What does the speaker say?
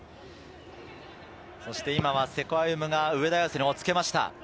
そして今は瀬古歩夢が上田綺世につけました。